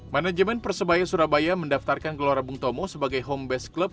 manajemen persebaya surabaya mendaftarkan gelora bung tomo sebagai home base club